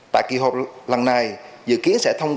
tại kỳ hộp lần này dự kiến sẽ thông báo